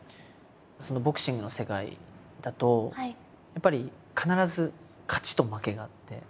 ボクシングの世界だとやっぱり必ず勝ちと負けがあって。